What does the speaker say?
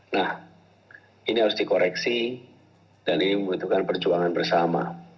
nah ini harus dikoreksi dan ini membutuhkan perjuangan bersama